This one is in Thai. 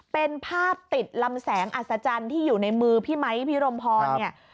เป็นภาพติดลำแสงอัศจรรย์ที่อยู่ในมือพี่ไมค์พี่รมพรเนี่ย